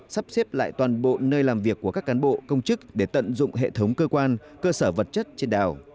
sắp xếp lại toàn bộ nơi làm việc của các cán bộ công chức để tận dụng hệ thống cơ quan cơ sở vật chất trên đảo